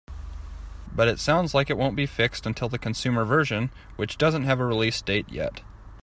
But it sounds like it won't be fixed until the consumer version, which doesn't have a release date yet.